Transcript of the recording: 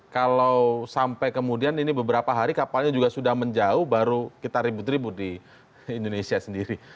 kalau sampai kemudian ini beberapa hari kapalnya juga sudah menjauh baru kita ribut ribut di indonesia sendiri